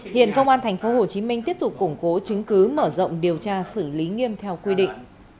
hiện công an tp hcm tiếp tục củng cố chứng cứ mở rộng điều tra xử lý nghiêm theo quy định